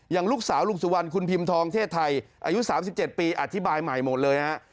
อย่างลูกสาวลุงสุวรรณคุณพิมทองเทศไทยอายุ๓๗ปีอธิบายใหม่หมดเลยนะฮะ